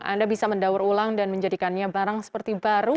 anda bisa mendaur ulang dan menjadikannya barang seperti baru